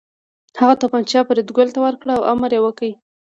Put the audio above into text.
هغه توپانچه فریدګل ته ورکړه او امر یې وکړ